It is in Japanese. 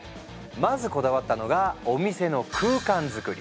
まずこだわったのがお店の空間づくり。